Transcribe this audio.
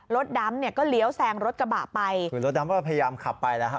ดำเนี่ยก็เลี้ยวแซงรถกระบะไปคือรถดำก็พยายามขับไปแล้วฮะ